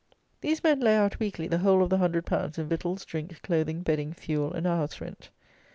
These men lay out weekly the whole of the hundred pounds in victuals, drink, clothing, bedding, fuel, and house rent.